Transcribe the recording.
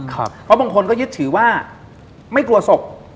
เพราะบางคนก็ยึดถือว่าไม่กลัวศพ